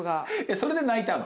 それで泣いたの？